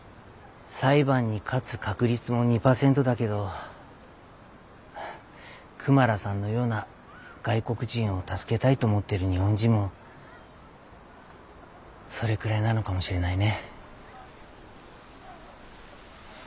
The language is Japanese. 裁判に勝つ確率も２％だけどクマラさんのような外国人を助けたいと思っている日本人もそれくらいなのかもしれないね。